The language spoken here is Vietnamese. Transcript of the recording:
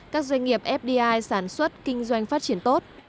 các doanh nghiệp fdi sản xuất kinh doanh phát triển tốt